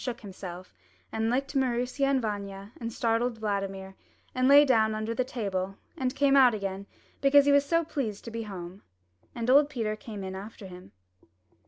2l8 UP ONE PAIR OF STAIRS shook himself, and licked Maroosia and Vanya and startled Vladimir, and lay down under the table and came out again, because he was so pleased to be home. And old Peter came in after him.